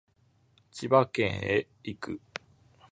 千葉県へ行く